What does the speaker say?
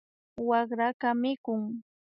Wakraka mikun